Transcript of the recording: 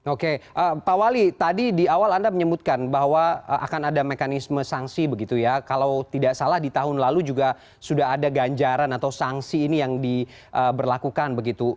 oke pak wali tadi di awal anda menyebutkan bahwa akan ada mekanisme sanksi begitu ya kalau tidak salah di tahun lalu juga sudah ada ganjaran atau sanksi ini yang diberlakukan begitu